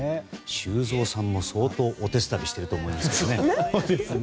修造さんも相当、おてつたびしてると思いますけどね。